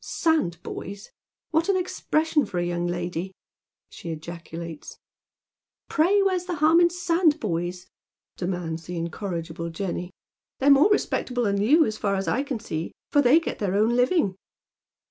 " Sandboys I \Vliat an expression for a young lady !" she ejaculates. " Pray where's the harm in sandboys ?" demands the incorri gible Jenny. " They're more respectable than you, as far as I can see, for they get their own living."